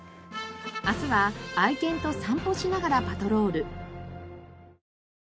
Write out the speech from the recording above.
明日は愛犬と散歩しながらパトロール。